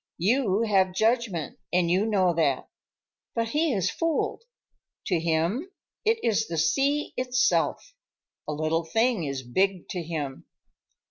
You have judgment, and you know that. But he is fooled. To him, it is the sea itself. A little thing is big to him."